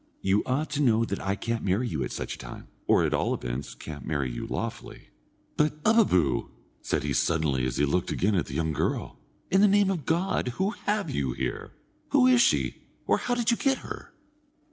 You ought to know that I can't marry you at such a time, or, at all events, can't marry you lawfully. But ubbubboo!" said he, suddenly, as he looked again at the young girl, "in the name of God, who have you here? Who is she, or how did you get her?"